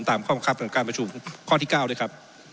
ตามความความคับกับการประชุมข้อที่เก้าเลยครับ